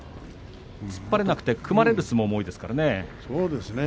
突っ張れなくて組まれる相撲も多いですからね。